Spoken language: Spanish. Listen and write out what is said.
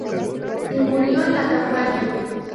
Y murió en la campaña.